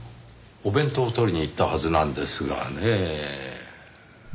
お弁当を取りに行ったはずなんですがねぇ。